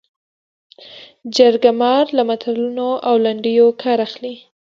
جرګه مار له متلونو او لنډیو کار اخلي